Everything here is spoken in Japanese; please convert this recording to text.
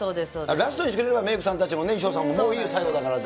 ラストにしてくれれば、メークさんたちもね、衣装さんももういい、最後だからって。